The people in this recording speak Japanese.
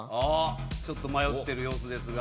ちょっと迷ってる様子ですが。